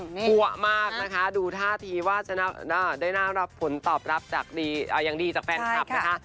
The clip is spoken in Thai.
กลัวมากนะคะดูท่าทีว่าจะได้น่ารับผลตอบรับอย่างดีจากแฟนคลับนะคะ